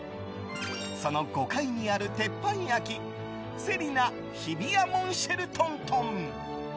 その５階にある鉄板焼瀬里奈日比谷モンシェルトントン。